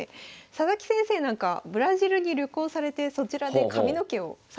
佐々木先生なんかブラジルに旅行されてそちらで髪の毛を散髪したりとか。